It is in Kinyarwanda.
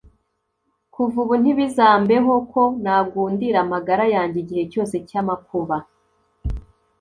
kuva ubu, ntibizambeho ko nagundira amagara yanjye igihe cyose cy'amakuba